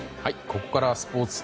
ここからはスポーツ。